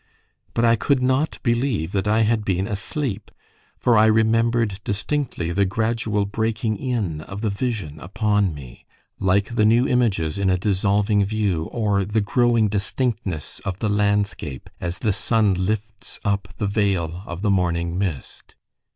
But I could not believe that I had been asleep, for I remembered distinctly the gradual breaking in of the vision upon me, like the new images in a dissolving view, or the growing distinctness of the landscape as the sun lifts up the veil of the morning mist.